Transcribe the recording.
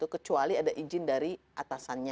kecuali ada izin dari atasannya